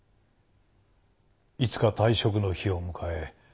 いつか退職の日を迎え